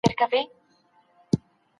سوله ییز ژوند د هر چا هیله وه.